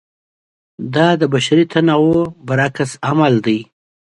دا د بشري تنوع برعکس عمل دی.